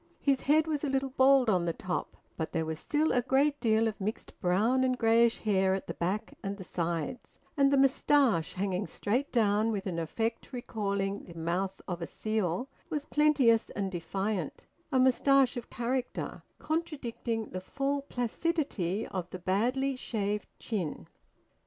His head was a little bald on the top, but there was still a great deal of mixed brown and greyish hair at the back and the sides, and the moustache, hanging straight down with an effect recalling the mouth of a seal, was plenteous and defiant a moustache of character, contradicting the full placidity of the badly shaved chin.